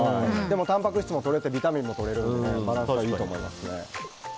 たんぱく質もビタミンもとれてバランスはいいと思います。